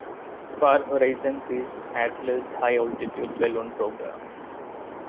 Far Horizons is the Adler's high-altitude balloon program.